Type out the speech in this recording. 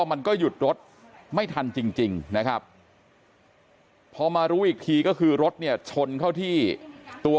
มันก็หยุดรถไม่ทันจริงนะครับพอมารู้อีกทีก็คือรถเนี่ยชนเข้าที่ตัว